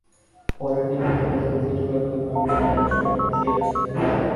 পরের দিন ভোরে সূর্য উঠিবার পূর্বে আমি ছাদে আসিয়া বসিয়াছি।